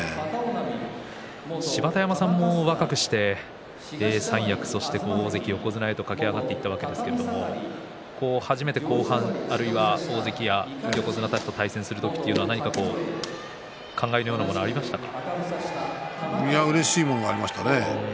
芝田山さんも若くして三役大関横綱へと駆け上がっていったわけですけれど初めて後半あるいは大関や横綱たちと対戦する時というのは何か感慨のようなものはうれしいものがありましたね。